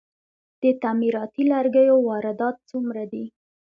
د تعمیراتي لرګیو واردات څومره دي؟